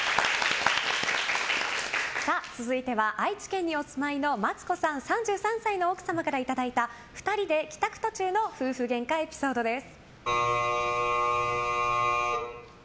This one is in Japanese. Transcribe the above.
愛知県にお住まいの松子さん、３３歳の奥様からいただいた２人で帰宅途中の夫婦ゲンカエピソードです。